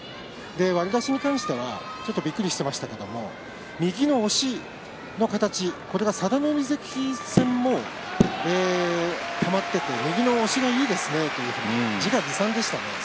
割り出しに関してはびっくりしていましたけれど右の押しの形これが佐田の海関戦もはまって右の押しがいいですねと自画自賛でした。